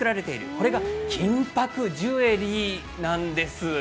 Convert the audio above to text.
これが金ぱくジュエリーなんです。